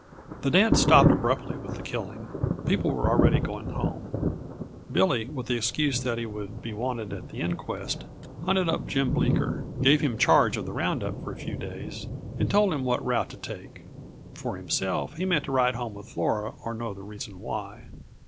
The dance stopped abruptly with the killing; people were already going home. Billy, with the excuse that he would be wanted at the inquest, hunted up Jim Bleeker, gave him charge of the round up for a few days, and told him what route to take. For himself, he meant to ride home with Flora or know the reason why.